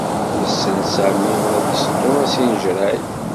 Yessen Sami ad iseddu asinjerray.